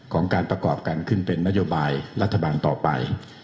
ของการประกอบการขึ้นเป็นนโยบายรัฐบาลต่อไป